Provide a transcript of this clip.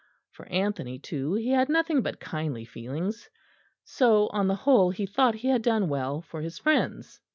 For Anthony, too, he had nothing but kindly feelings; so, on the whole, he thought he had done well for his friends.